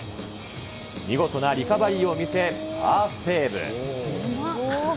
見事なリカバリーを見せ、パーセーブ。